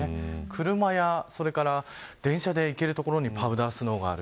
車や電車で行ける所にパウダースノーがある。